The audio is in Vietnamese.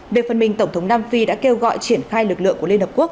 về phần mình tổng thống nam phi đã kêu gọi triển khai lực lượng của liên hợp quốc